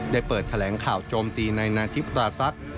ได้เปิดแถลงข่าวโจมตีนายนาธิปราศักดิ์